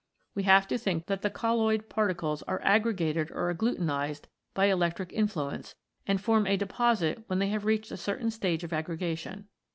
We have to think that the colloid particles are aggregated or agglutinised by electric influence, and form a deposit when they have reached a certain stage of aggregation.